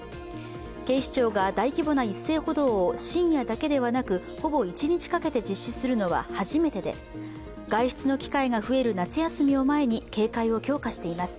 警視庁が大規模な一斉補導を深夜だけではなくほぼ一日かけて実施するのは初めてで、外出の機会が増える夏休みを前に警戒を強化しています。